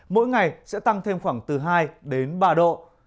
mỗi ngày sẽ tăng thêm khoảng từ hai đến ba độ